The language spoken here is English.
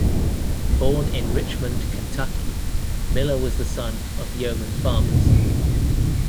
Born in Richmond, Kentucky, Miller was the son of yeoman farmers.